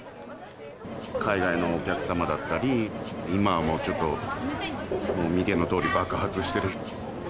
海外のお客様だったり、今もちょっと見てのとおり、爆発してる。